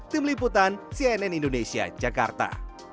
tim liputan cnn indonesia jakarta